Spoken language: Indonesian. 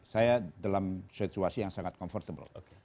saya dalam situasi yang sangat comfortable